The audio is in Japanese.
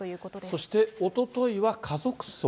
そしておとといは家族葬？